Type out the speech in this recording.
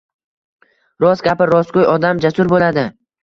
Rost gapir. Rostgo’y odam jasur bo’ladi.